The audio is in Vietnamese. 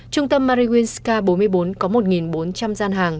trung tâm mariwinska bốn mươi bốn có một bốn trăm linh gian hàng